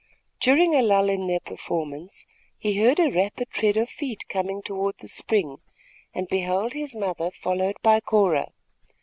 During a lull in their performance, he heard a rapid tread of feet coming toward the spring, and beheld his mother, followed by Cora.